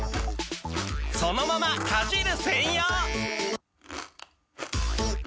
そのままかじる専用！